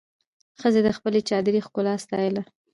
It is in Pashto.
ښځې د خپلې چادري ښکلا ستایله.